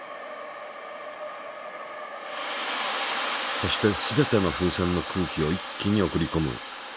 そしてすべての風船の空気を一気に送りこむ。